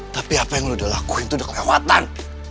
tapi apa yang lu udah lakuin tuh udah kelewatan